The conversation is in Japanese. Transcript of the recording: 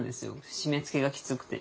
締めつけがきつくて。